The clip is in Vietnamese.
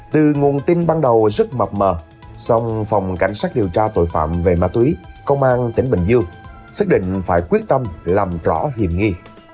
từ nguồn tin ban đầu rất mập mờ xong phòng cảnh sát điều tra tội phạm về ma túy công an tỉnh bình dương xác định phải quyết tâm làm rõ hiểm nghi